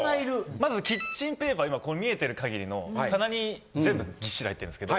まずキッチンペーパー今見えてる限りの棚に全部ぎっしり入ってるんですけど。